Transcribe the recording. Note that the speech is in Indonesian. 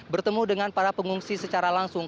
bertemu dengan para pengungsi secara langsung